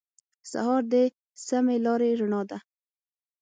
سهار د سمې لارې رڼا ده.